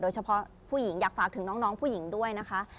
เฉพาะผู้หญิงอยากฝากถึงน้องผู้หญิงด้วยนะคะ